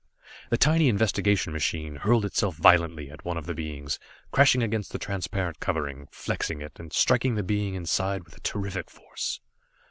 The tiny investigation machine hurled itself violently at one of the beings, crashing against the transparent covering, flexing it, and striking the being inside with terrific force.